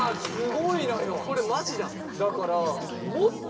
これマジなん？